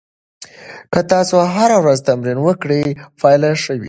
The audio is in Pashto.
که تاسو هره ورځ تمرین وکړئ، پایله ښه وي.